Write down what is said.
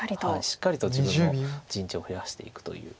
しっかりと自分の陣地を増やしていくという。